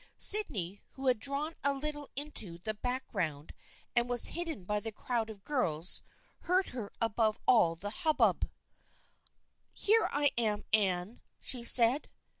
Sydney, who had drawn a little into the back ground and was hidden by the crowd of girls, heard her above all the hubbub. " Here I am, Anne," she said.